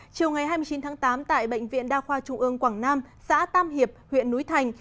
chiều ngày hai mươi chín tháng tám tại bệnh viện đa khoa trung ương quảng nam xã tam hiệp huyện núi thành